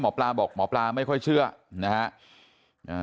หมอปลาบอกหมอปลาไม่ค่อยเชื่อนะฮะ